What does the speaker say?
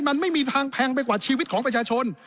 มันไม่มีทางแพงไปกว่าชีวิตของประชาชน